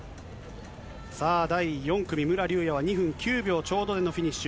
さあ、第４組、武良竜也は２分９秒ちょうどでのフィニッシュ。